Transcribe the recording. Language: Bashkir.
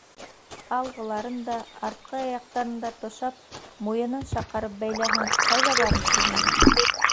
Алғыларын да, артҡы аяҡтарын да тышап, муйынын шаҡарып бәйләһәң, ҡайҙа барыр тиһең?